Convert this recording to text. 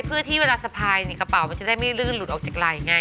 เพื่อที่เวลาสะพายกระเป๋ามันจะได้ไม่ลื่นหลุดออกจากไหล่ไง